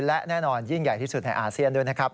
และแน่นอนยิ่งใหญ่ที่สุดในอาเซียนด้วยนะครับ